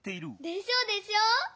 でしょでしょ！